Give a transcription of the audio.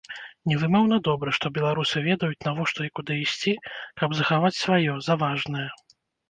Невымоўна добра, што беларусы ведаюць, навошта і куды ісці, каб захаваць сваё, за важнае.